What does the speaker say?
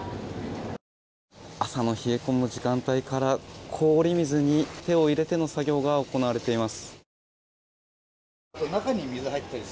朝の冷え込む時間帯から氷水に手を入れての作業が行われています。